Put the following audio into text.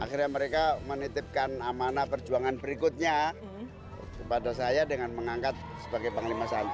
akhirnya mereka menitipkan amanah perjuangan berikutnya kepada saya dengan mengangkat sebagai panglima santri